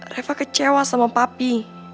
reva kecewa sama papi